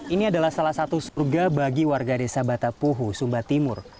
ini adalah salah satu surga bagi warga desa batapuhu sumba timur